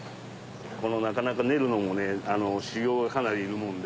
なかなか練るのも修業がかなりいるもんで。